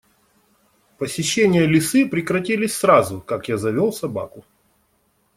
Посещения лисы прекратились сразу, как я завёл собаку.